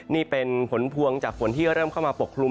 นี่เป็นผลพวงจากฝนที่เริ่มเข้ามาปกคลุม